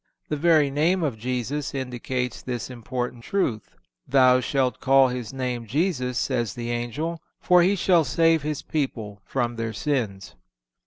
The very name of Jesus indicates this important truth: "Thou shalt call His name Jesus," says the angel, "for He shall save His people from their sins."